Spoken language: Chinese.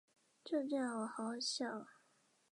就这样喔好好笑